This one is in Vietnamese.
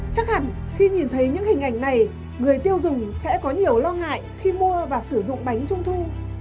chắc hẳn khi nhìn thấy những hình ảnh này người tiêu dùng sẽ có nhiều lo ngại khi mua và sử dụng bánh trung thu